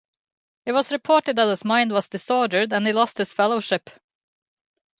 It was reported that his mind was disordered, and he lost his fellowship.